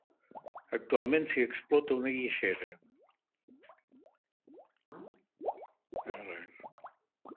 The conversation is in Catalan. Actualment s'hi explota una guixera.